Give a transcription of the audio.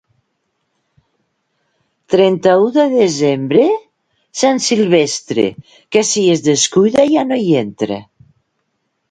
Trenta-u de desembre, Sant Silvestre, que si es descuida ja no hi entra.